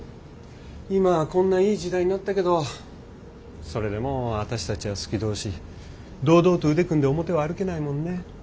今はこんないい時代になったけどそれでも私たちは好き同士堂々と腕組んで表を歩けないもんね。